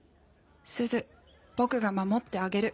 「すず僕が守ってあげる」。